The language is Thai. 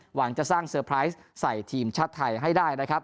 หวังจะสร้างเซอร์ไพรส์ใส่ทีมชาติไทยให้ได้นะครับ